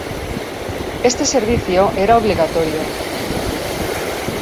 Este servicio era obligatorio.